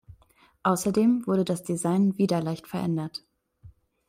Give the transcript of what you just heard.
Außerdem wurde das Design wieder leicht verändert.